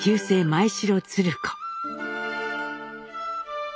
前城鶴子。